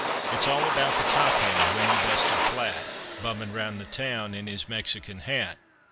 It's all about the Top Hand, when he busted flat Bummin' round the town, in his Mexican hat.